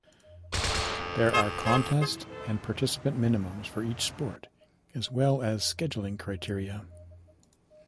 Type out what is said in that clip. There are contest and participant minimums for each sport, as well as scheduling criteria.